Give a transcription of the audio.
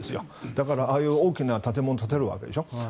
だから、ああいう大きな建物を建てるわけでしょ。